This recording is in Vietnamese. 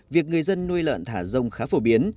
việc người dân nuôi lợn thả rông khá phổ biến